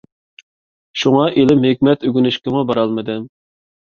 شۇڭا، ئىلىم - ھېكمەت ئۆگىنىشكىمۇ بارالمىدىم.